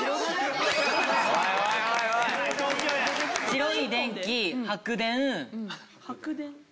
白い電気白電。